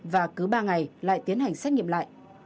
và cứ ba ngày lại tiến hành xét nghiệm lại